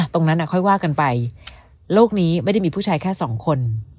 ตรงนั้นค่อยว่ากันไปโลกนี้ไม่ได้มีผู้ชายแค่สองคน